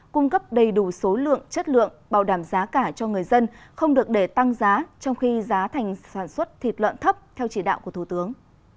cung cấp đầy đủ số lượng chất lượng bảo đảm giá cả cho người dân không được để tăng giá trong khi giá thành sản xuất thịt lợn thấp theo chỉ đạo của thủ tướng